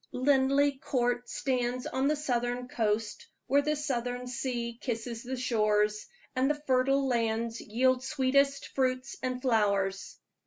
Linleigh Court stands on the southern coast, where the southern sea kisses the shores, and the fertile lands yield sweetest fruits and flowers.